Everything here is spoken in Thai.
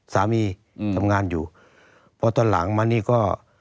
สามีอืมทำงานอยู่พอตอนหลังมานี่ก็